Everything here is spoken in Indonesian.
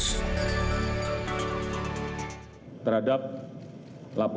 dan juga dilakukan pemeriksaan di purupangpori dan juga polda metro